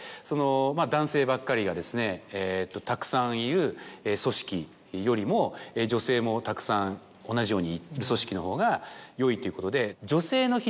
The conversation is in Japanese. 男性ばっかりがたくさんいる組織よりも女性もたくさん同じようにいる組織のほうがよいっていうことで。